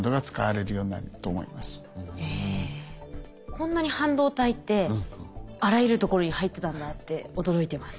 こんなに半導体ってあらゆるところに入ってたんだって驚いてます。